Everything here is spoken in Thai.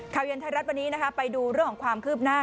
เย็นไทยรัฐวันนี้นะคะไปดูเรื่องของความคืบหน้า